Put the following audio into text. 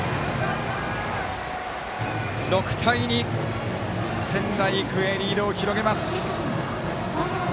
６対２、仙台育英リードを広げます。